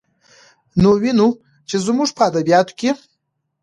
نو وينو، چې زموږ په ادبياتو کې